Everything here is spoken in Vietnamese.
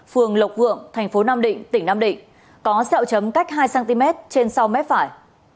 phường lộc vượng tp nam định tỉnh nam định có xeo chấm cách hai cm trên sau mép phải